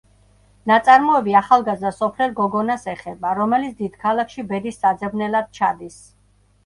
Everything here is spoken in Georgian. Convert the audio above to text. ნაწარმოები ახალგაზრდა სოფლელ გოგონას ეხება, რომელიც დიდ ქალაქში ბედის საძებნელად ჩადის.